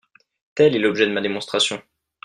Tel est l’objet de la démonstration.